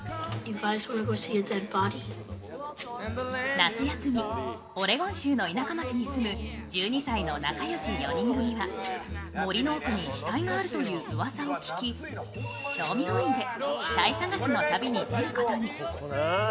夏休み、オレゴン州の田舎町に住む、１２歳の仲良し４人組は、森の奥に死体があるといううわさを聞き、興味本位で死体探しの旅に出ることに。